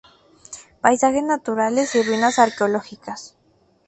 Paisajes naturales y ruinas arqueológicas.